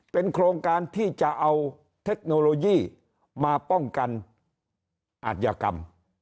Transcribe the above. เป็นโครงการที่จะเอาเทคโนโลยีมาป้องกันอาจยากรรม